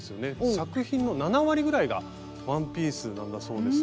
作品の７割ぐらいがワンピースなんだそうですが。